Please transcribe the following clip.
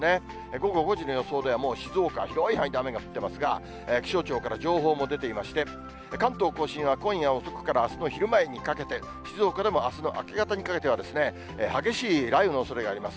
午後５時の予想では、もう静岡、広い範囲で雨が降ってますが、気象庁から情報も出ていまして、関東甲信は今夜遅くからあすの昼前にかけて、静岡でもあすの明け方にかけて、激しい雷雨のおそれがあります。